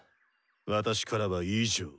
私からは以上。